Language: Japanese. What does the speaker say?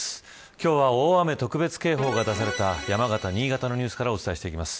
今日は大雨特別警報が出された山形、新潟ニュースからお伝えしていきます。